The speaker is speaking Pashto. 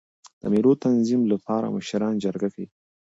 د مېلو د تنظیم له پاره مشران جرګه کوي.